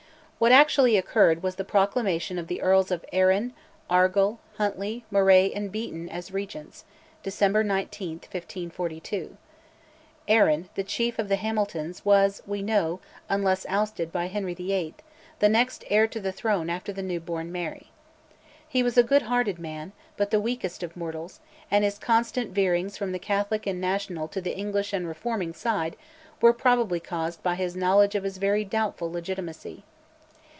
What actually occurred was the proclamation of the Earls of Arran, Argyll, Huntly, Moray, and of Beaton as Regents (December 19, 1542). Arran, the chief of the Hamiltons, was, we know, unless ousted by Henry VIII., the next heir to the throne after the new born Mary. He was a good hearted man, but the weakest of mortals, and his constant veerings from the Catholic and national to the English and reforming side were probably caused by his knowledge of his very doubtful legitimacy.